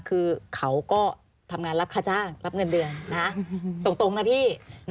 คือเขาก็ทำงานรับค่าจ้างรับเงินเดือนตรงนะพี่